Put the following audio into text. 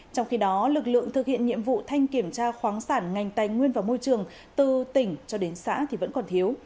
trong khi đó lực lượng thực hiện nhiệm vụ thanh kiểm tra khoáng sản ngành tay nguyên vào môi trường từ tỉnh cho đến xã vẫn còn thiếu